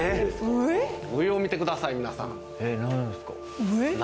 上を見てください皆さん。